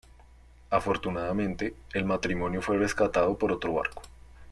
Afortunadamente, el matrimonio fue rescatado por otro barco.